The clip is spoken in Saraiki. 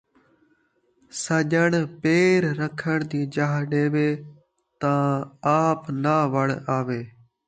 سڄݨ پیر رکھݨ دی جاہ ݙیوے تاں آپ ناں وڑ آویجے